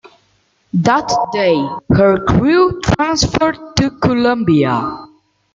That day her crew transferred to "Columbia".